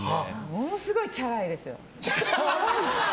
ものすごいチャラいです。